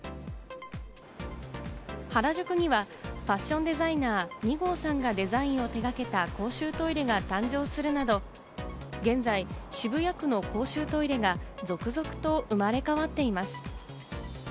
原宿にはファッションデザイナー・ＮＩＧＯさんがデザインを手がけた公衆トイレが誕生するなど、現在、渋谷区の公衆トイレが続々と生まれ変わっています。